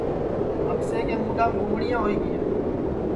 اکشے کے مُڈؔام گُمڑیاں ہوئی گیاں